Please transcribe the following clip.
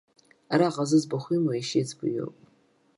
Араҟа зыӡбахә имоу иашьеиҵыб иоуп.